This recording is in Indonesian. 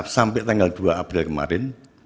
sampai tanggal dua april kemarin